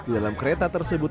dalam kereta tersebut